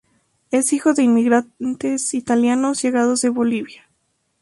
Es hijo de inmigrantes italianos llegados a Bolivia.